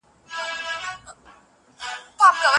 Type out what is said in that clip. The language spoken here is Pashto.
تاسي ډېر غښتلي ځوانان یاست.